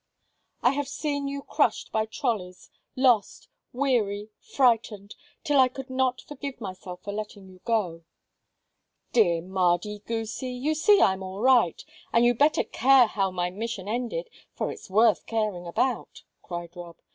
"I have seen you crushed by trolleys, lost, weary, frightened, till I could not forgive myself for letting you go." "Dear Mardy goosie, you see I'm all right, and you'd better care how my mission ended, for it's worth caring about," cried Rob.